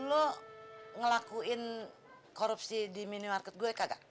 lo ngelakuin korupsi di minimarket gue kagak